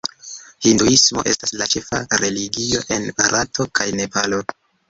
Hinduismo estas la ĉefa religio en Barato kaj Nepalo.